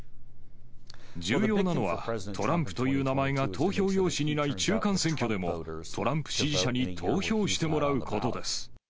重要なのは、トランプという名前が投票用紙にない中間選挙でも、トランプ支持者に投票してもらうことです。